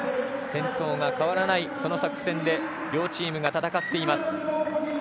先頭が変わらない作戦で両チームが戦っています。